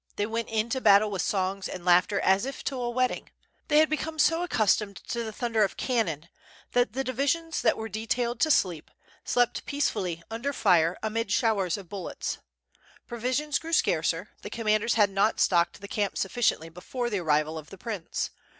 They went into battle with songs and laughter as if to a wedding. They had become so accustomed to the thunder of cannon^ that the divisions that were detailed to sleep, slept peacefully under fire amid showers of bullets. Provisions grew scarcer; the commanders had not stocked the camp sufiSciently before the arrival of the prince.